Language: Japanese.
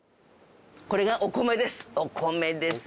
これがお米です。